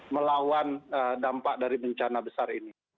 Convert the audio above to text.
melawan dampak dari bencana besar ini